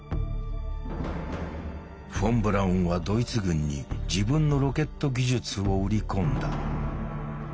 フォン・ブラウンはドイツ軍に自分のロケット技術を売り込んだ。